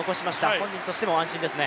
本人としても安心ですね。